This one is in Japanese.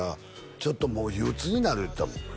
ちょっともう憂鬱になる言うてたもん